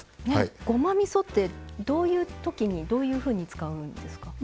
ごまみそってどういうときにどういうふうに使うんですか？